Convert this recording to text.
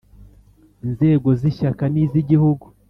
inzego z' ishyaka n' iz'igihugu